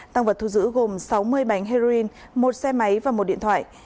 tăng vật thu giữ gồm sáu mươi bánh heroin một xe máy và một điện thoại